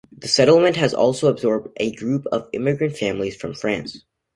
The settlement has also absorbed a group of immigrant families from France.